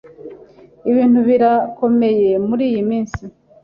Ibintu birakomeye muriyi minsi.